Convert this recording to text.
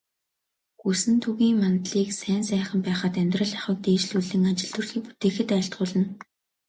Гүсэнтүгийн мандлыг сайн сайхан байхад, амьдрал ахуйг дээшлүүлэн, ажил төрлийг бүтээхэд айлтгуулна.